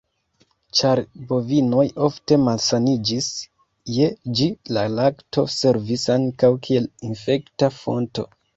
Ĉar bovinoj ofte malsaniĝis je ĝi, la lakto servis ankaŭ kiel infekta fonto.